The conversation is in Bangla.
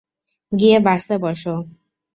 গিয়ে বাসে বসো!